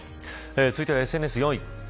続いては、ＳＮＳ４位。